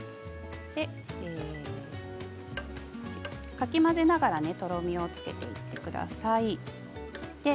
かき混ぜながらとろみをつけていってください。